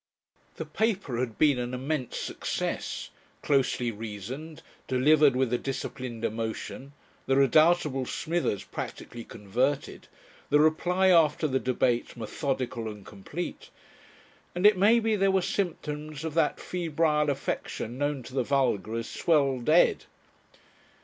The paper had been an immense success, closely reasoned, delivered with a disciplined emotion, the redoubtable Smithers practically converted, the reply after the debate methodical and complete, and it may be there were symptoms of that febrile affection known to the vulgar as "swelled 'ed."